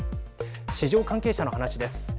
市場関係者の話です。